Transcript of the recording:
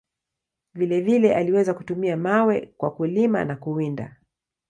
Vile vile, aliweza kutumia mawe kwa kulima na kuwinda.